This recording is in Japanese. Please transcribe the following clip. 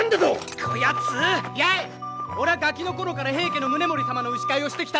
俺はガキの頃から平家の宗盛様の牛飼いをしてきたんだ。